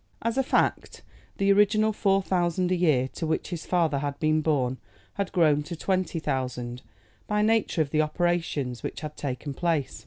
As a fact, the original four thousand a year, to which his father had been born, had grown to twenty thousand by nature of the operations which had taken place.